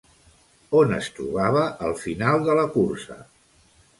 On es trobava el final de la cursa?